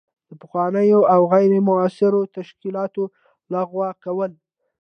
د پخوانیو او غیر مؤثرو تشکیلاتو لغوه کول.